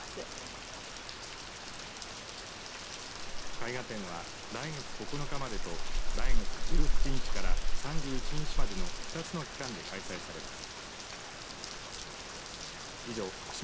絵画展は来月９日までと来月１８日から３１日までの２つの期間で開催されます。